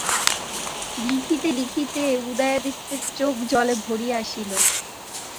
লিখিতে লিখিতে উদয়াদিত্যের চোখ জলে ভরিয়া আসিল।